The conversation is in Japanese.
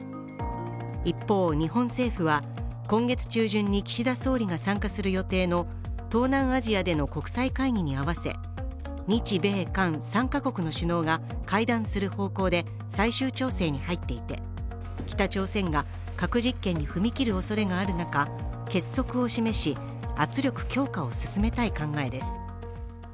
一方、日本政府は今月中旬に岸田総理が参加する予定の東南アジアでの国際会議に合わせ日米韓３か国の首脳が会談する方向で最終調整に入っていて北朝鮮が核実験に踏み切るおそれがある中、結束を示し、圧力強化を進めたい考えです。